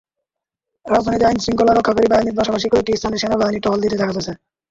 রাজধানীতে আইনশৃঙ্খলা রক্ষাকারী বাহিনীর পাশাপাশি কয়েকটি স্থানে সেনাবাহিনীকে টহল দিতে দেখা গেছে।